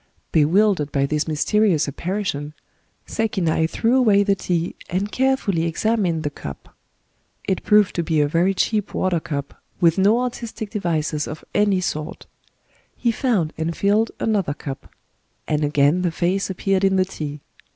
Bewildered by this mysterious apparition, Sekinai threw away the tea, and carefully examined the cup. It proved to be a very cheap water cup, with no artistic devices of any sort. He found and filled another cup ; and again the face appeared in the tea.